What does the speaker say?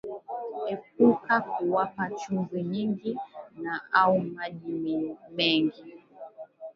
Epuka kuwapa chumvi nyingi na au maji mengi